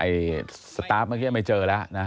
สตาร์ฟเมื่อกี้ไม่เจอแล้วนะ